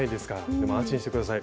でも安心して下さい。